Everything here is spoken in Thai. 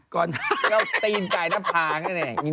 ก็ตีนจ่ายทะพาง